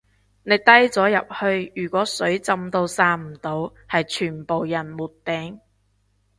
你低咗入去如果水浸到散唔到係全部人沒頂